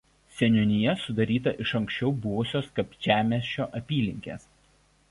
Seniūnija sudaryta iš anksčiau buvusios Kapčiamiesčio apylinkės.